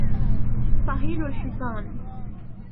صهيل الحصان